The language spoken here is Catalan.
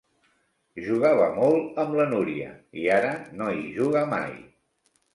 Jugava molt amb la Núria, i ara no hi juga mai.